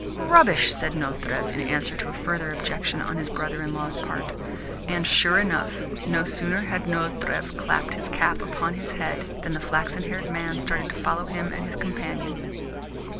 "Rubbish!" said Nozdrev in answer to a further objection on his brother in law's part. And, sure enough, no sooner had Nozdrev clapped his cap upon his head than the flaxen haired man started to follow him and his companion.